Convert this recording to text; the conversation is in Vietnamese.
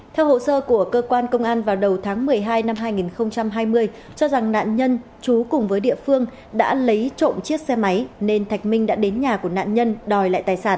theo hồ sơ của cơ quan công an vào đầu tháng một mươi hai năm hai nghìn hai mươi cho rằng nạn nhân chú cùng với địa phương đã lấy trộm chiếc xe máy nên thạch minh đã đến nhà của nạn nhân đòi lại tài sản